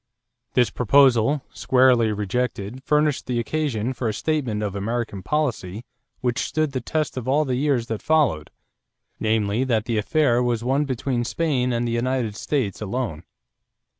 This proposal, squarely rejected, furnished the occasion for a statement of American policy which stood the test of all the years that followed; namely, that the affair was one between Spain and the United States alone.